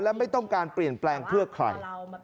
และไม่ต้องการเปลี่ยนแปลงเพื่อใคร